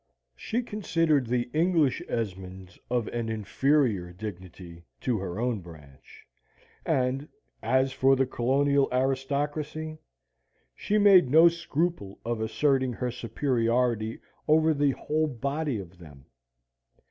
She considered the English Esmonds of an inferior dignity to her own branch; and as for the colonial aristocracy, she made no scruple of asserting her superiority over the whole body of them.